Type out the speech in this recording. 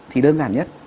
thì đơn giản nhất